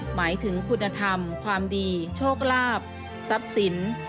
หมายถึงคุณธรรมความดีโชคลาภทรัพย์สิน